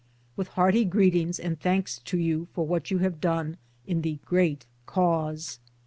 With hearty greetings and thanks to you for what you have done in the great Cause.